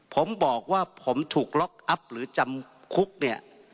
ผมบอกว่าผมถูกล็อกอัพหรือจำคุกเนี่ย